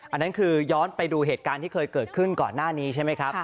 อันนั้นคือย้อนไปดูเหตุการณ์ที่เคยเกิดขึ้นก่อนหน้านี้ใช่ไหมครับ